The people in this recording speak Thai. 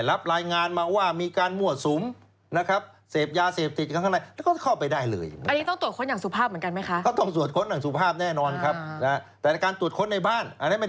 อันนี้คือสำคัญที่สุด